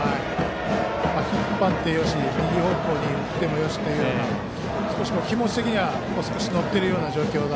引っ張ってよし右方向に打ってよしという少し気持ち的には少し乗っているような状況な。